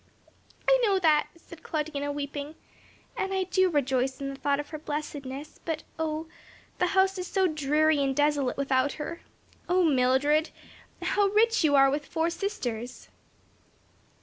"I know that," said Claudina, weeping, "and I do rejoice in the thought of her blessedness; but oh, the house is so dreary and desolate without her! O Mildred, how rich you are with four sisters!"